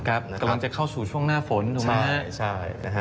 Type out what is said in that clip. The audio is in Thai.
กำลังจะเข้าสู่ช่วงหน้าฝนถูกไหม